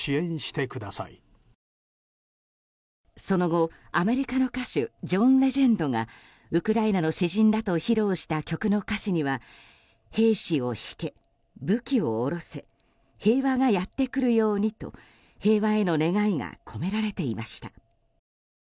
その後、アメリカの歌手ジョン・レジェンドがウクライナの詩人らと披露した曲の歌詞には「兵士を引け、武器を下ろせ平和がやってくるように」と平和の願いが込められていました。